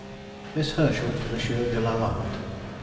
MISS HERSCHEL TO M. DE LA LANDE.